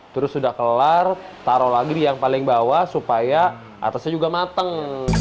terus sudah kelar taruh lagi di yang paling bawah supaya atasnya juga mateng